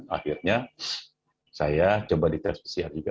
akhirnya saya coba di tes pcr juga